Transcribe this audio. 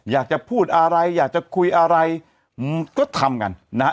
อยากจะพูดอะไรอยากจะคุยอะไรก็ทำกันนะฮะ